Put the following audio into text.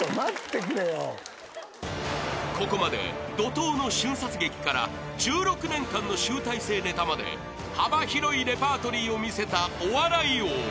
［ここまで怒濤の瞬殺劇から１６年間の集大成ネタまで幅広いレパートリーを見せたお笑い王］